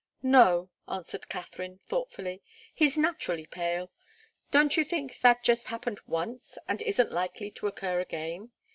"No," answered Katharine, thoughtfully. "He's naturally pale. Don't you think that just happened once, and isn't likely to occur again?